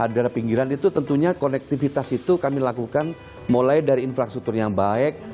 daerah pinggiran itu tentunya konektivitas itu kami lakukan mulai dari infrastruktur yang baik